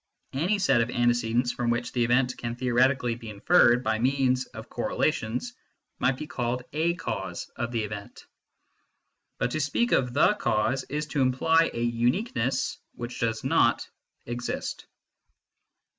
Any set of antecedents from which the event can theoretically be inferred by means of correla tions might be called a cause of the event. But to speak oi the cause is to imply a uniqueness which does not exist.